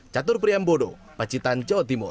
catur priambodo pacitan jawa timur